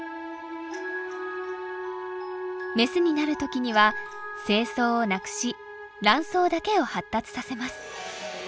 メスになる時には精巣をなくし卵巣だけを発達させます。